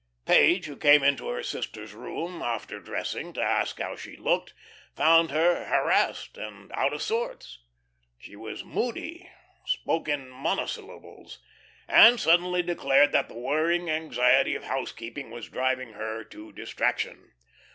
Page, who came into her sister's room after dressing, to ask how she looked, found her harassed and out of sorts. She was moody, spoke in monosyllables, and suddenly declared that the wearing anxiety of house keeping was driving her to distraction.